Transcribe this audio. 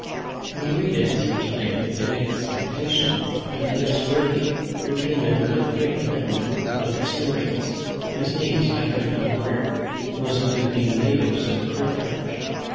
We waited some time in expectation of the next worthy, who came in with a great retinue of historians, whose names I could not learn, most of them being natives of Carthage.